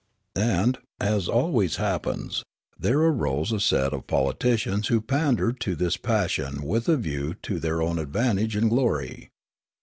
And, as always happens, there arose a set of poli ticians who pandered to this passion with a view to their own advantage and glory.